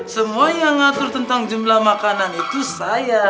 semua yang ngatur tentang jumlah makanan itu saya